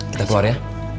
kita keluar ya